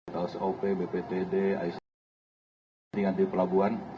tau sop bptd aisd dan tni anti pelabuhan